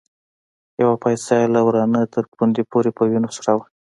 يوه پايڅه يې له ورانه تر پوندې پورې په وينو سره وه.